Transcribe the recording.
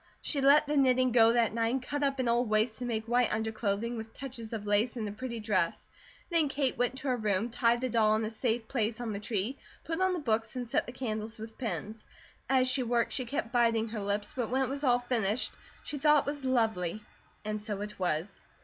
She let the knitting go that night, and cut up an old waist to make white under clothing with touches of lace, and a pretty dress. Then Kate went to her room, tied the doll in a safe place on the tree, put on the books, and set the candles with pins. As she worked she kept biting her lips, but when it was all finished she thought it was lovely, and so it was.